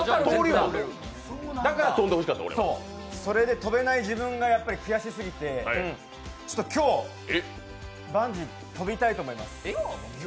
それで飛べない自分が悔しすぎてちょっと今日、バンジー飛びたいと思います。